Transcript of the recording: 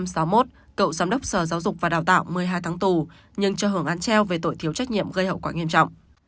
sở giáo dục và đào tạo một mươi hai tháng tù nhưng cho hưởng án treo về tội thiếu trách nhiệm gây hậu quả nghiêm trọng